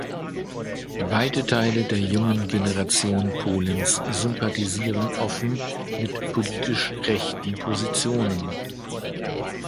Weite Teile der jungen Generation Polens sympathisieren offen mit politisch rechten Positionen.